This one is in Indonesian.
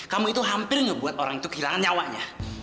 kamu itu hampir ngebuat orang itu kehilangan nyawanya